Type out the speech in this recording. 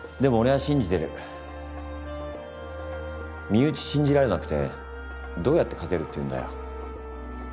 身内信じられなくてどうやって勝てるっていうんだよ。